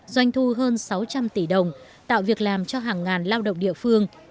doanh thu hơn sáu trăm linh tỷ đồng tạo việc làm cho hàng ngàn lao động địa phương